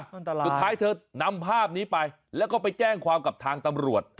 อันตรายสุดท้ายเธอนำภาพนี้ไปแล้วก็ไปแจ้งความกับทางตำรวจ